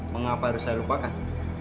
mengapa harus saya lupakan